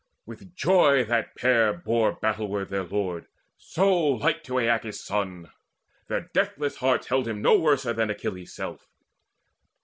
With joy that pair bore battleward their lord, So like to Aeacus' son, their deathless hearts Held him no worser than Achilles' self.